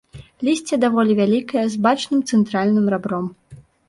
Лісце даволі вялікае, з бачным цэнтральным рабром.